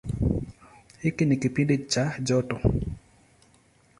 Hiki ni kipindi cha joto.